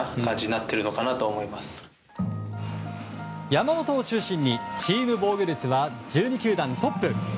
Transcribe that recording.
山本を中心にチーム防御率は１２球団トップ。